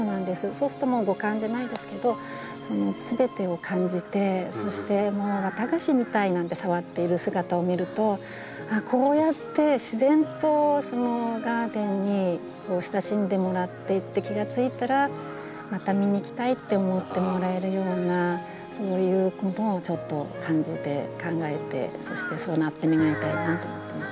そうするともう五感じゃないですけどすべてを感じてそして綿菓子みたい！なんて触っている姿を見るとこうやって自然とガーデンに親しんでもらっていって気が付いたらまた見に来たいって思ってもらえるようなそういうものをちょっと感じて考えてそしてそうなってもらいたいなと思ってます。